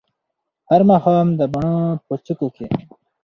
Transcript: هر ماښام د بڼو په څوکو کې